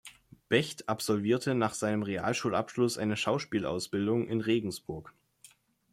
Becht absolvierte nach seinem Realschulabschluss eine Schauspielausbildung in Regensburg.